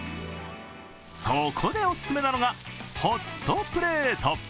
そこでお勧めなのが、ホットプレート。